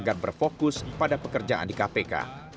agar berfokus pada pekerjaan di kpk